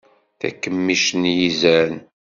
Takemmict n yizan.